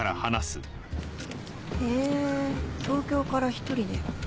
へぇ東京から１人で？